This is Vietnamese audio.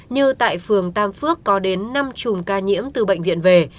như tại phường tam phước có đến năm chùm ca nhiễm từ bệnh viện về